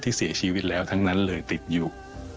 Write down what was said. เสียชีวิตแล้วทั้งนั้นเลยติดอยู่